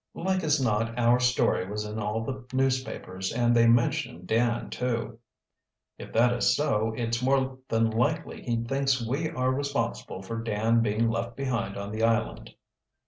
"Like as not our story was in all the newspapers, and they mentioned Dan too." "If that is so, it's more than likely he thinks we are responsible for Dan being left behind on the island."